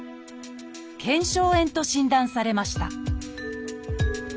「腱鞘炎」と診断されました。